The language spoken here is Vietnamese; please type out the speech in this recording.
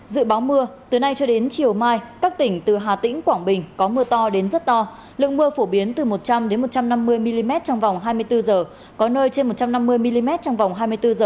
dự báo mưa từ nay cho đến chiều mai các tỉnh từ hà tĩnh quảng bình có mưa to đến rất to lượng mưa phổ biến từ một trăm linh một trăm năm mươi mm trong vòng hai mươi bốn h có nơi trên một trăm năm mươi mm trong vòng hai mươi bốn h